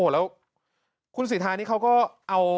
แล้วคุณสิทธานี่เขาก็เอา